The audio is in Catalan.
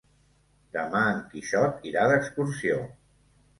Demà en Quixot irà d'excursió.